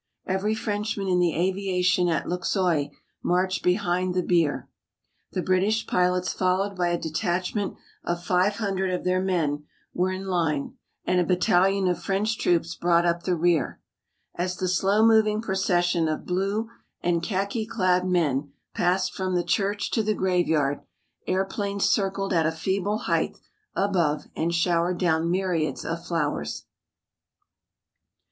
Every Frenchman in the aviation at Luxeuil marched behind the bier. The British pilots, followed by a detachment of five hundred of their men, were in line, and a battalion of French troops brought up the rear. As the slow moving procession of blue and khaki clad men passed from the church to the graveyard, airplanes circled at a feeble height above and showered down myriads of flowers.